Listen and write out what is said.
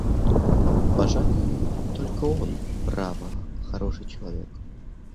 Пожалуй; только он, право, хороший человек.